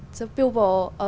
kinh tế của hnu và hnu